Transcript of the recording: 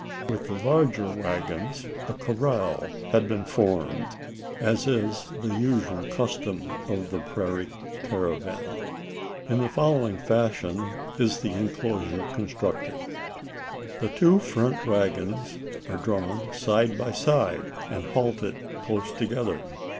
With the larger waggons, a "corral" had been formed as is the usual custom of the prairie caravan. In the following fashion is the enclosure constructed: The two front waggons are drawn side by side, and halted close together.